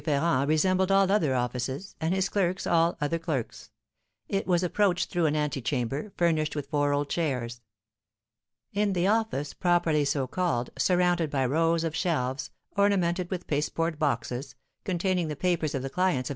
Ferrand resembled all other offices, and his clerks all other clerks. It was approached through an antechamber, furnished with four old chairs. In the office, properly so called, surrounded by rows of shelves, ornamented with pasteboard boxes, containing the papers of the clients of M.